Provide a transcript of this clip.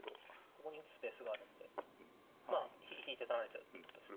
ここに打つスペースがあるんでまあ引いて取られちゃうってことです。